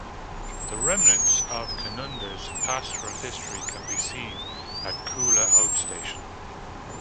The remnants of Canunda's pastoral history can be seen at Coola Outstation.